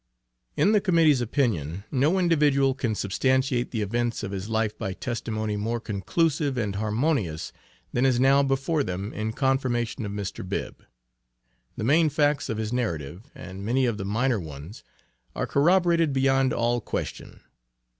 In the Committee's opinion no individual can substantiate the events of his life by testimony more conclusive and harmonious than is now before them in confirmation of Mr. Bibb. The main facts of his narrative, and many of the minor ones are corroborated beyond all question.